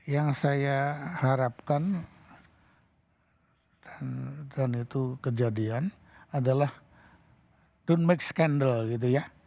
yang saya harapkan dan itu kejadian adalah don make scandel gitu ya